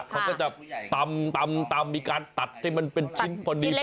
เขาก็จะตำมีการตัดให้มันเป็นชิ้นพอดี